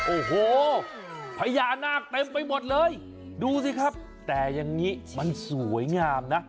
โอ้โหพญานาคเต็มไปหมดเลยดูสิครับแต่อย่างนี้มันสวยงามนะ